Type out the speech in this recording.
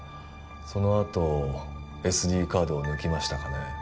そのあとＳＤカードを抜きましたかね